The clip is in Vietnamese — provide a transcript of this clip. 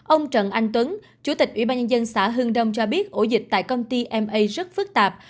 ông trần anh tuấn chủ tịch ủy ban nhân dân xã hương đông cho biết ổ dịch tại công ty ma rất phức tạp